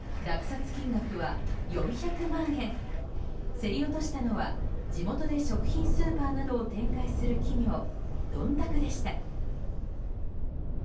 競り落としたのは、地元で食品スーパーなどを展開する企業どんたくでした。